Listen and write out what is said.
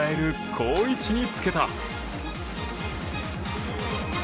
好位置につけた。